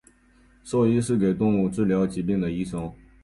兽医是给动物治疗疾病的医生。